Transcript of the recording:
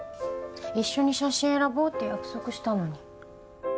一緒に写真選ぼうって約束したのに。